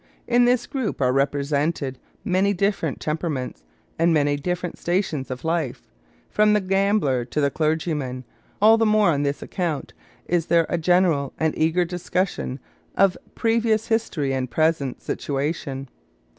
In this group are represented many different temperaments and many different stations of life, from the gambler to the clergyman. All the more on this account is there a general and eager discussion of previous history and present situation.